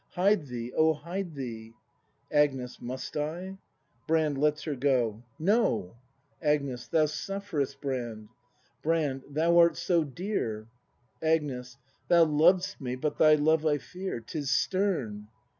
Hide thee, O hide thee! ACJNKH. Must 1 ? "RllAND. \Lels her (jo.'\ No! ACT ivj BRAND 195 Agnes. Thou suflFerest, Brand. Brand. Thou art so dear. Agnes. Thou lov'st me, but thy love I fear. 'Tis stern.